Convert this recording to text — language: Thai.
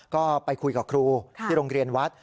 ก็ไปคุยกับครูที่โรงเรียนวัด